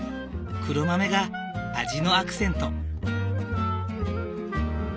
黒豆が味のアクセント。